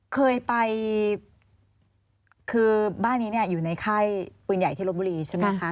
เคยไปคือบ้านนี้เนี่ยอยู่ในค่ายปืนใหญ่ที่ลบบุรีใช่ไหมคะ